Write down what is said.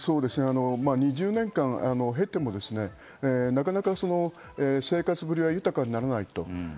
２０年間経てもなかなか生活ぶりは豊かにならない。